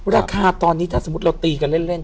ราคาตอนนี้ถ้าสมมุติเราตีกันเล่น